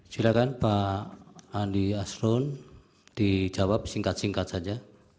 silakan pak andi asron dijawab singkat singkat saja